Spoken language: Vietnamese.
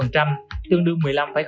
tương đương một mươi năm hai